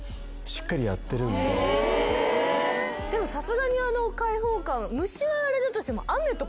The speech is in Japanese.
さすがにあの開放感虫はあれだとしても。